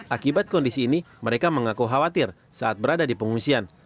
akibat kondisi ini mereka mengaku khawatir saat berada di pengungsian